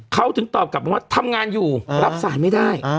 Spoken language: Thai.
เขาถึงตอบกลับมาว่าทำงานอยู่รับสารไม่ได้